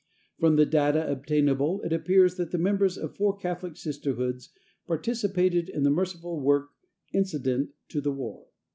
From the data obtainable it appears that the members of four Catholic Sisterhoods participated in the merciful work incident to the war.